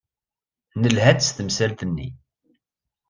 Nelha-d s temsalt-nni.